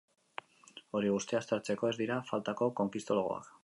Hori guztia aztertzeko, ez dira faltako conquistologoak.